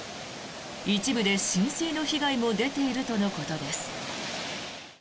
一部で浸水の被害も出ているとのことです。